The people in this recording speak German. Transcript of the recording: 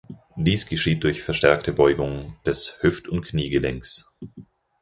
Dies geschieht durch verstärkte Beugung des Hüft- und Kniegelenkes.